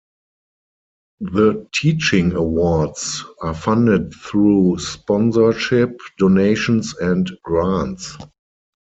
The Teaching Awards are funded through sponsorship, donations and grants.